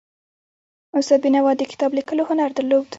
استاد بینوا د کتاب لیکلو هنر درلود.